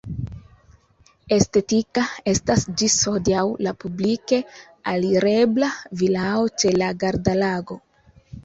Estetika estas ĝis hodiaŭ la publike alirebla vilao ĉe la Garda-Lago.